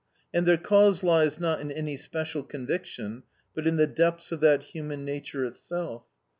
And their cause lies not in any special conviction, but in the depths of that human nature itself.